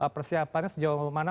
persiapannya sejauh mana